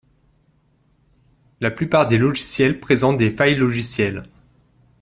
La plupart des logiciels présentent des failles logicielles.